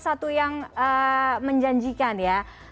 itu yang menjanjikan ya